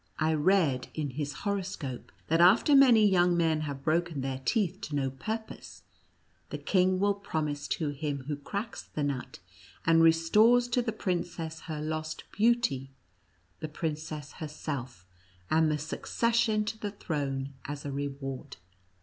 I read in his horoscope, that after many young men have broken their teeth to no pur pose, the king will promise to him who cracks the nut, and restores to the princess her lost beauty, the princess herself, and the succession to the throne as a reward."